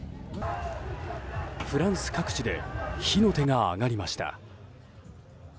フランス各地で火の手が上がりました。